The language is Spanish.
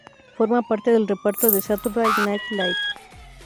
Forma parte del reparto de Saturday Night Live.